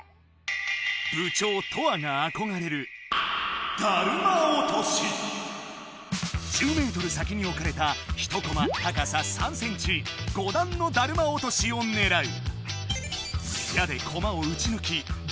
部長トアがあこがれる１０ｍ先におかれた１コマ高さ３ｃｍ５だんのだるま落としをねらう。